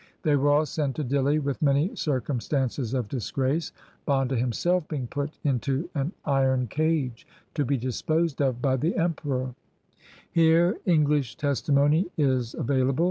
They were all sent to Dihli with many circumstances of disgrace — Banda himself being put into an iron cage — to be disposed of by the Emperor Here English testimony is available.